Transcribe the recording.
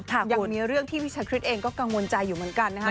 ยังมีเรื่องที่พี่ชาคริสเองก็กังวลใจอยู่เหมือนกันนะครับ